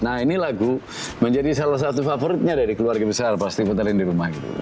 nah ini lagu menjadi salah satu favoritnya dari keluarga besar pasti putarin di rumah gitu